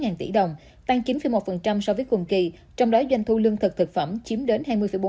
doanh thu bán lẻ ba tháng đầu năm sáu mươi bốn tỷ đồng tăng chín một so với cùng kỳ trong đó doanh thu lương thực thực phẩm chiếm đến hai mươi bốn